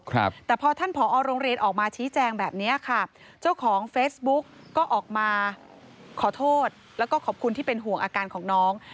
ครับแต่พอท่านผอโรงเรียนออกมาชี้แจงแบบเนี้ยค่ะเจ้าของเฟซบุ๊กก็ออกมาขอโทษแล้วก็ขอบคุณที่เป็นห่วงอาการของน้อง